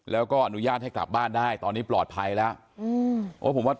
แล้วก็อนุญาตให้กลับบ้านได้ตอนนี้ปลอดภัยแล้ว